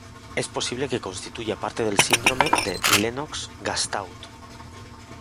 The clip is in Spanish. Es posible que constituya parte del síndrome de Lennox-Gastaut.